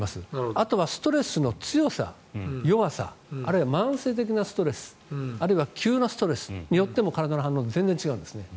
あとはストレスの強さ、弱さあるいは慢性的なストレスあるいは急なストレスによっても体の反応は全然違うんですね。